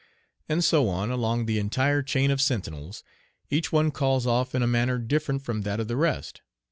And so on along the entire chain of sentinels, each one calls off in a manner different from that of the rest.